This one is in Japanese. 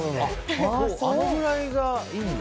あのくらいがいいんだ。